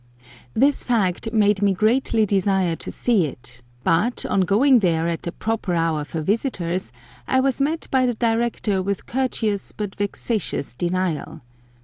This fact made me greatly desire to see it, but, on going there at the proper hour for visitors, I was met by the Director with courteous but vexatious denial.